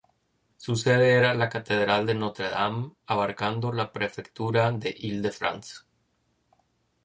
Su sede era la Catedral de Notre Dame, abarcando la prefectura de Île-de-France.